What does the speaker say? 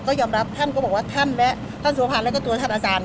ก็ยอมรับท่านก็บอกว่าท่านแม้ท่านสุภาพแล้วก็ตัวท่านอาศาล